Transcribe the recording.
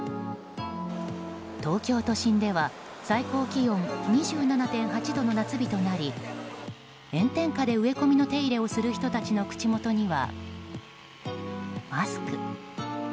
東京都心では最高気温２７．８度の夏日となり炎天下で植え込みの手入れをする人たちの口元にはマスク。